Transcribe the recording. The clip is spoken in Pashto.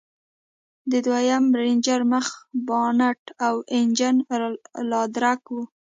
د دويم رېنجر مخ بانټ او انجن لادرکه و.